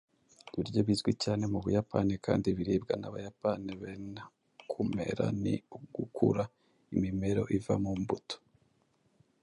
ibiryo bizwi cyane mubuyapani, kandi biribwa nabayapani benhKumera ni ugukura imimero iva mu mbuto